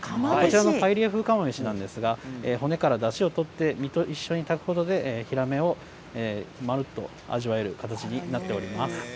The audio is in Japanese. パエリア風釜飯なんですが骨からだしを取って身と一緒に炊くことでヒラメをまるっと味わえる形になっています。